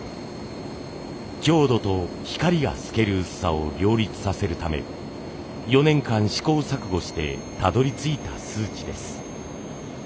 強度と光が透ける薄さを両立させるため４年間試行錯誤してたどりついた数値です。